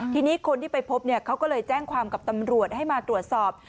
ทีนี้คนที่ไปพบเนี่ยเขาก็เลยแจ้งความกับตำรวจให้มาตรวจสอบ